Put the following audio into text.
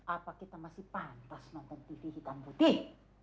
apa kita masih pantas nonton tv hitam putih